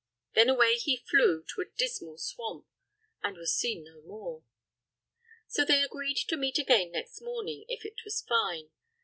Then away he flew to a dismal swamp, and was seen no more. So they agreed to meet again next morning, if it was fine.